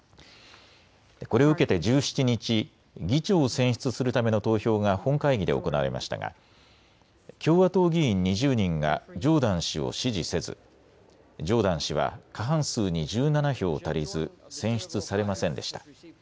これを受けて１７日、議長を選出するための投票が本会議で行われましたが共和党議員２０人がジョーダン氏を支持せず、ジョーダン氏は過半数に１７票足りず選出されませんでした。